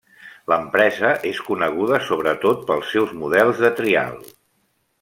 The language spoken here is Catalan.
L'empresa és coneguda sobretot pels seus models de trial.